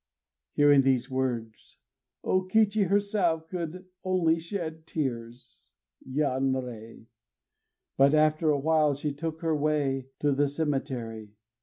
... Hearing these words, O Kichi herself could only shed tears. Yanrei! But after a little while she took her way to the cemetery.